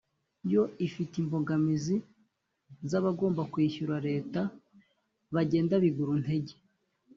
yo ifite imbogamizi z’abagomba kwishyura leta bagenda biguru ntege